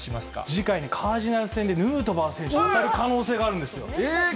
次回、カージナルス戦でヌートバー選手と当たる可能性があるんですよ。